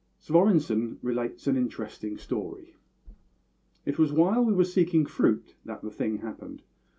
SVORENSSEN RELATES AN INTERESTING STORY. "It was while we were seeking fruit that the thing happened.